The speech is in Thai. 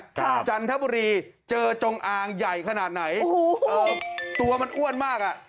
ครับจันทบุรีเจอจงอางใหญ่ขนาดไหนตัวมันอ้วนมากอะ